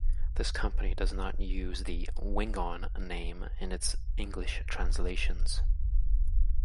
This company does not use the "Wing On" name in its English translations.